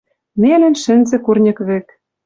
Нелӹн шӹнзӹ курньык вӹк.